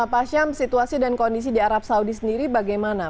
pak syam situasi dan kondisi di arab saudi sendiri bagaimana